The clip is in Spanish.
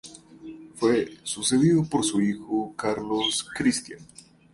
Fue sucedido por su hijo Carlos Cristián.